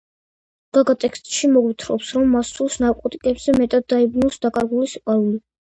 გაგა ტექსტში მოგვითხრობს, რომ მას სურს ნარკოტიკებზე მეტად დაიბრუნოს დაკარგული სიყვარული.